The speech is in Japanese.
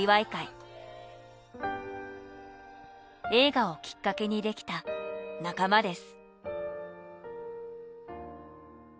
映画をきっかけにできた仲間です。